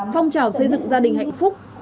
phong trào xây dựng gia đình hạnh phúc